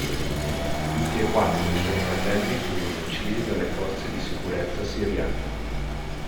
Tutti e quattro i suoi fratelli furono uccisi dalle forze di sicurezza siriane.